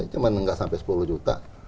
cuma nggak sampai sepuluh juta